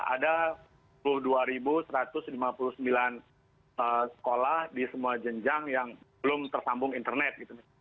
ada dua puluh dua satu ratus lima puluh sembilan sekolah di semua jenjang yang belum tersambung internet